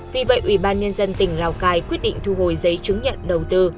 vì vậy ủy ban nhân dân tỉnh lào cai quyết định thu hồi giấy chứng nhận đầu tư